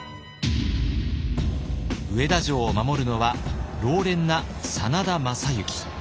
上田城を守るのは老練な真田昌幸。